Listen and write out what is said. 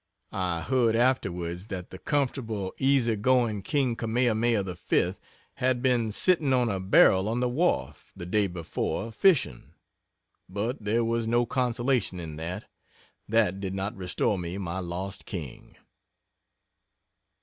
I heard afterwards that the comfortable, easy going king, Kamehameha V., had been seen sitting on a barrel on the wharf, the day before, fishing. But there was no consolation in that. That did not restore me my lost king.